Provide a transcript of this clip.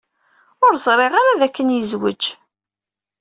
Ur ẓriɣ ara dakken yezwej.